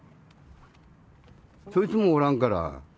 そいつもおらんから。